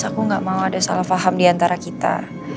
aku gak mau ada salah faham diantara kita